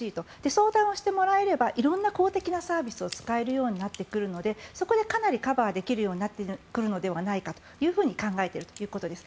相談してもらえれば色んな公的なサービスを使えるようになってくるのでそこでかなりカバーできるようになってくるのではないかと考えているということです。